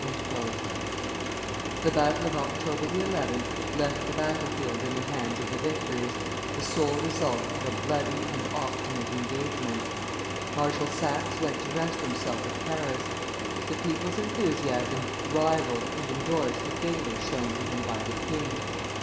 [Illustration: BRUSSELS 159] The battle of October 11 left the battle field in the hands of the victors, the sole result of a bloody and obstinate engagement. Marshal Saxe went to rest himself at Paris; the people's enthusiasm rivalled and indorsed the favors shown to him by the king.